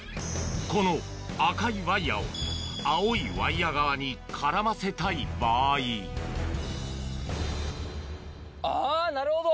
この赤いワイヤを青いワイヤ側に絡ませたい場合あぁなるほど！